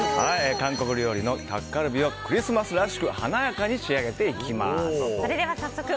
韓国料理のタッカルビをクリスマスらしく華やかに仕上げていきます。